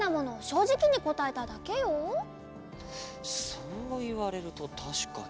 そういわれるとたしかに。